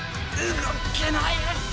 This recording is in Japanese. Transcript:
動けない。